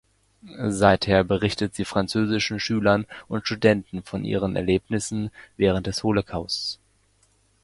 Seither berichtet sie französischen Schülern und Studenten von ihren Erlebnissen während des Holocaust.